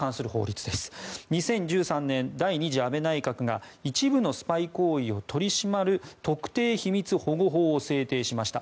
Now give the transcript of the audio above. ２０１３年、第２次安倍内閣が一部のスパイ行為を取り締まる特定秘密保護法を制定しました。